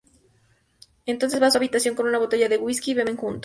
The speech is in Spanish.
Entonces va a su habitación con una botella de whisky y beben juntos.